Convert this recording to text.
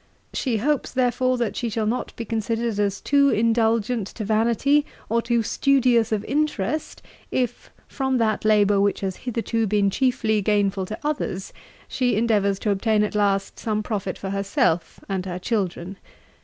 She hopes, therefore, that she shall not be considered as too indulgent to vanity, or too studious of interest, if, from that labour which has hitherto been chiefly gainful to others, she endeavours to obtain at last some profit for herself and her children.